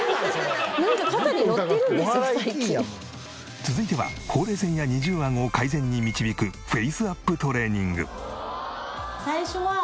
続いてはほうれい線や二重アゴを改善に導くフェイスアップトレーニング。